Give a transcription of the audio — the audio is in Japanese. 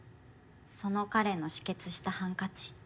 その彼の止血したハンカチ。